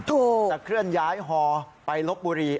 จะเคลื่อนย้ายฮอไปลบบุรี